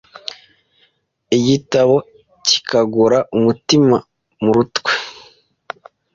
Igitabo gikangura umutima muri twe